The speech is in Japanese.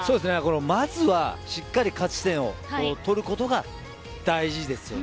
まずはしっかり勝ち点を取ることが大事です。